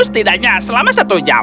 setidaknya selama satu jam